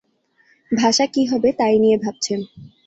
ভাষা কী হবে তাই নিয়ে ভাবছেন।